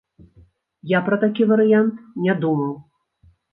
Я пра такі варыянт не думаў.